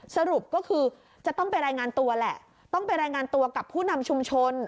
สรุปก็คือจะต้องไปรายงานตัวแหละต้องไปรายงานตัวกับผู้นำชุมชน